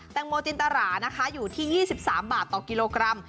งโมจินตรานะคะอยู่ที่๒๓บาทต่อกิโลกรัม